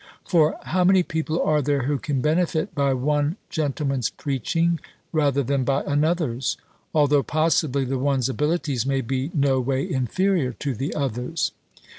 For, how many people are there who can benefit by one gentleman's preaching, rather than by another's; although, possibly, the one's abilities may be no way inferior to the other's?